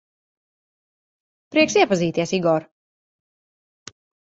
Prieks iepazīties, Igor.